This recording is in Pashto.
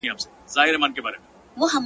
سکون مي ناکراره کي خیالونه تښتوي،